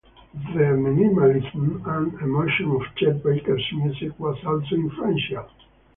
The minimalism and emotion of Chet Baker's music was also influential.